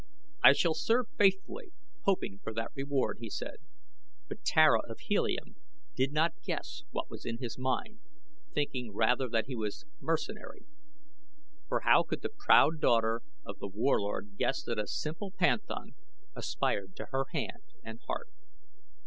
"I shall serve faithfully, hoping for that reward," he said; but Tara of Helium did not guess what was in his mind, thinking rather that he was mercenary. For how could the proud daughter of The Warlord guess that a simple panthan aspired to her hand and heart?